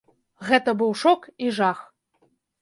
Гэта быў шок і жах.